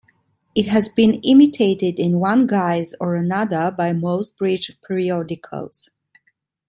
It has been imitated in one guise or another by most bridge periodicals.